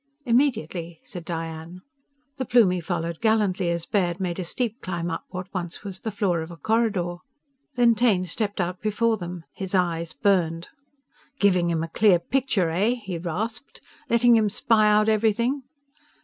"Immediately," said Diane. The Plumie followed gallantly as Baird made a steep climb up what once was the floor of a corridor. Then Taine stepped out before them. His eyes burned. "Giving him a clear picture, eh?" he rasped. "Letting him spy out everything?"